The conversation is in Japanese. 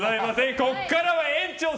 ここからは延長戦！